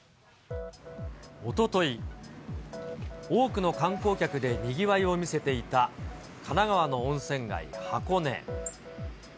おととい、多くの観光客でにぎわいを見せていた神奈川の温泉街、箱根。